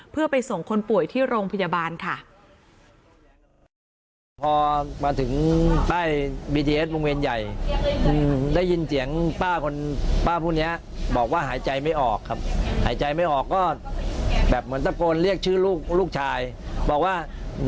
เพื่อไปส่งคนป่วยที่โรงพยาบาลค่ะ